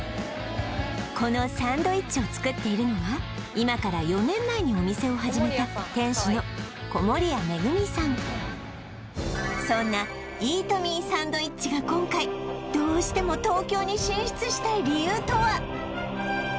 このサンドイッチを作っているのが今から４年前にお店を始めたそんなイートミーサンドイッチが今回どうしてもああ